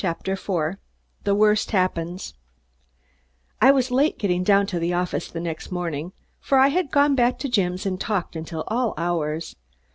CHAPTER FOUR THE WORST HAPPENS I was late getting down to the office the next morning, for I had gone back to Jim's and talked till all hours.